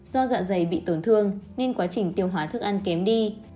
do dạ dày bị tổn thương nên quá trình tiêu hóa thức ăn kém đi